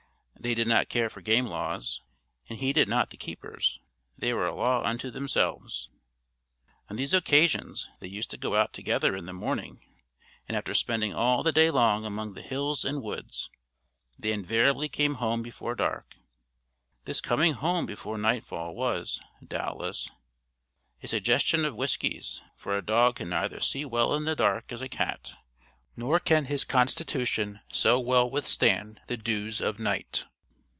They did not care for game laws, and heeded not the keepers they were a law unto themselves. On these occasions, they used to go out together in the morning, and after spending all the long day among the hills and woods, they invariably came home before dark. This coming home before nightfall, was doubtless a suggestion of Whiskey's, for a dog can neither see so well in the dark as a cat, nor can his constitution so well withstand the dews of night.